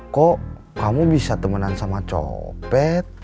kok kamu bisa temenan sama copet